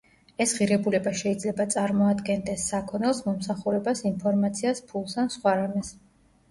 ეს ღირებულება შეიძლება წარმოადგენდეს საქონელს, მომსახურებას, ინფორმაციას, ფულს ან სხვა რამეს.